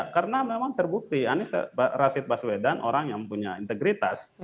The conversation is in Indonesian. karena memang terbukti anies rashid baswedan orang yang punya integritas